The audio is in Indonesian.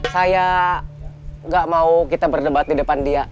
saya nggak mau kita berdebat di depan dia